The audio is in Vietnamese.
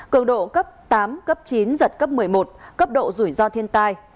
cường độ cấp tám cấp chín giật cấp một mươi một cấp độ rủi ro thiên tai